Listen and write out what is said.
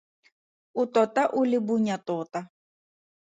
O tota o le bonya tota.